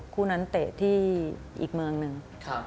คู่นั้นเตะที่อีกเมืองหนึ่ง